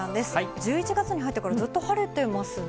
１１月に入ってから、ずっと晴れてますね。